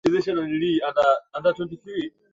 Ndugu yangu aliniwacha sokoni